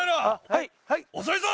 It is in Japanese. はい。